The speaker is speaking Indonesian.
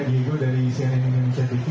diego dari cnn indonesia tv